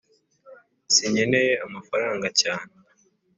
sinkeneye amafaranga cyane